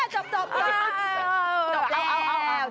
จบแล้ว